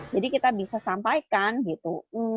jadi kita bisa sampaikan gitu